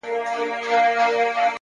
د تمرکز ساتل بریا نږدې کوي!.